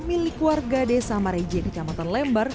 milik warga desa marije di kamantan lembar